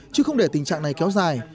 chứ không để tình trạng này kéo dài